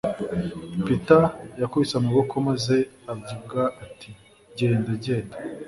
Peter yakubise amaboko maze avuga ati: "Genda… Genda!"